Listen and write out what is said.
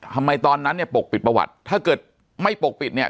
ตอนนั้นเนี่ยปกปิดประวัติถ้าเกิดไม่ปกปิดเนี่ย